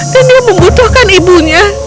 dan dia membutuhkan ibunya